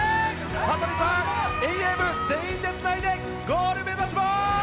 羽鳥さん、遠泳部全員でつないでゴール目指します。